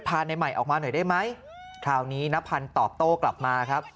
ในใหม่ออกมาหน่อยได้ไหมคราวนี้นพันธ์ตอบโต้กลับมาครับ